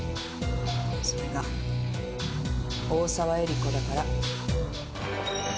それが大澤絵里子だから。